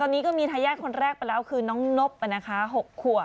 ตอนนี้ก็มีทะญาติคนแรกแล้วคือน้องนบแล้วนะคะ๖ขัว